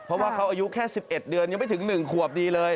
เพราะว่าเขาอายุแค่๑๑เดือนยังไม่ถึง๑ขวบดีเลย